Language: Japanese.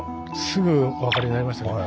すぐお分かりになりましたね。